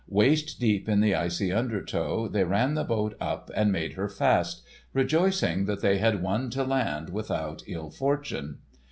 Waist deep in the icy undertow, they ran the boat up and made her fast, rejoicing that they had won to land without ill fortune.